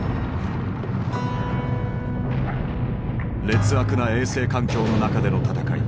劣悪な衛生環境の中での戦い。